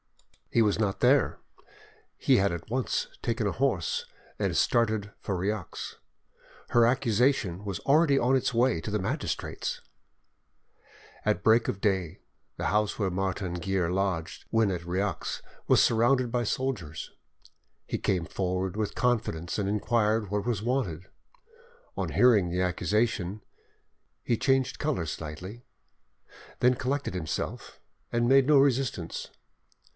He was not there: he had at once taken a horse and started for Rieux. Her accusation was already on its way to the magistrates! At break of day the house where Martin Guerre lodged when at Rieux was surrounded by soldiers. He came forward with confidence and inquired what was wanted. On hearing the accusation, he changed colour slightly, then collected himself, and made no resistance.